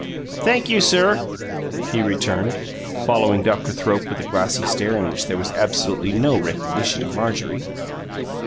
"Thank you, sir!" he returned, following Dr. Thrope with a glassy stare in which there was absolutely no recognition of Marjorie.